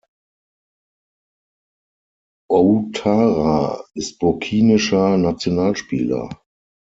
Ouattara ist burkinischer Nationalspieler.